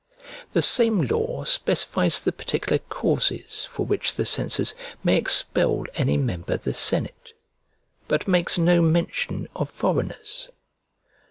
The same law specifies the particular causes for which the censors may expel any member of the senate, but makes no mention of foreigners.